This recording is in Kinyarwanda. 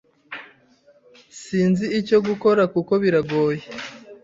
Sinzi icyo gukora ..kuko biragoye.